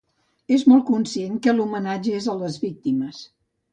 És molt conscient que l’homenatge és a les víctimes.